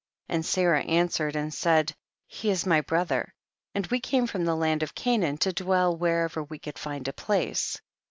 and Sarah answered and said he is my brother, and we came from the land of Canaan to dwell wherever we could find a place.